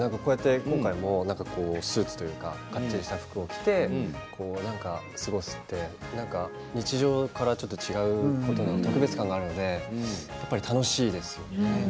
今回もスーツとかかっちりした服を着て過ごすって日常からちょっと違う特別感があるのでやっぱり楽しいですよね。